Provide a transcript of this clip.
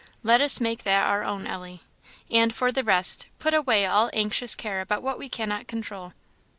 Let us make that our own, Ellie; and, for the rest, put away all anxious care about what we cannot control."